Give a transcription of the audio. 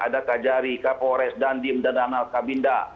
ada kajari kapolres dandim danal kabinda